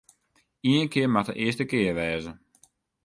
Ien kear moat de earste kear wêze.